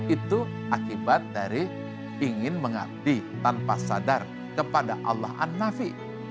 itu akibat dari ingin mengabdi tanpa sadar kepada allah an nafi